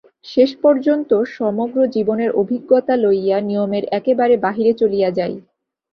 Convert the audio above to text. শেষ পর্যন্ত সমগ্র জীবনের অভিজ্ঞতা লইয়া নিয়মের একেবারে বাহিরে চলিয়া যাই।